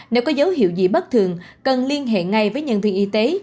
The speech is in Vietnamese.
nếu có dấu hiệu gì bất thường cần liên hệ ngay với nhân viên y tế